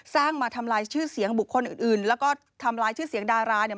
มาทำลายชื่อเสียงบุคคลอื่นแล้วก็ทำลายชื่อเสียงดาราเนี่ย